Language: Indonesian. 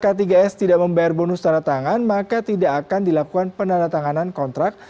k tiga s tidak membayar bonus tanah tangan maka tidak akan dilakukan penanah tanganan kontrak